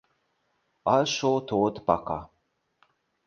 Alsó tót Baka.